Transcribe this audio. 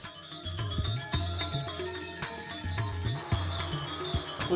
iko manggede marjana kampung denpasar bali